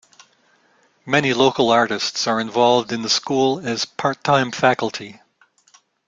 Many local artists are involved in the school as part-time faculty.